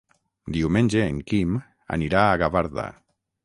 Diumenge en Quim anirà a Gavarda.